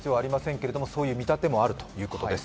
けれども、そう見立てもあるということです。